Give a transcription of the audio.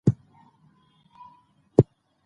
مصدر د اسم دندې هم سر ته رسوي.